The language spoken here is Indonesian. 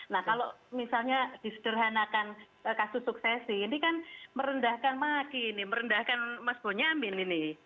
nah kalau misalnya disederhanakan kasus suksesi ini kan merendahkan maki ini merendahkan mas bonyamin ini